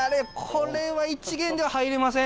これはいちげんでは入れません。